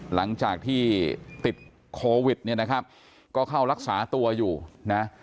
หลังจากที่ติดโควิดเนี่ยนะครับก็เข้ารักษาตัวอยู่นะ